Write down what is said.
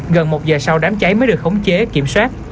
gần một giờ sau đám cháy mới được khống chế kiểm soát